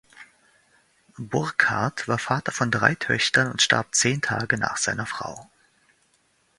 Burckhardt war Vater von drei Töchtern und starb zehn Tage nach seiner Frau.